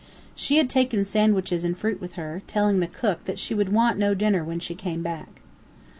She had taken sandwiches and fruit with her, telling the cook that she would want no dinner when she came back.